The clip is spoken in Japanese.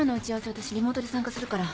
私リモートで参加するから。